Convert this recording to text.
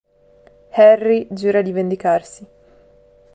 Harry giura di vendicarsi.